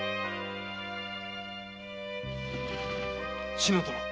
・篠殿。